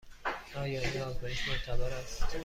آیا این آزمایش معتبر است؟